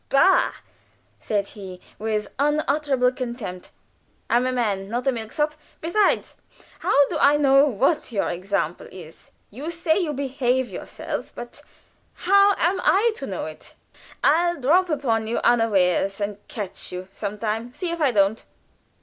"Bah!" said he, with unutterable contempt. "I'm a man; not a milksop. Besides, how do I know what your example is? You say you behave yourselves; but how am I to know it? I'll drop upon you unawares and catch you, some time. See if I don't."